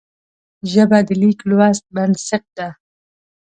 ژبه د لیک لوست بنسټ ده